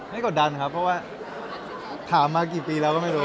กดดันครับเพราะว่าถามมากี่ปีแล้วก็ไม่รู้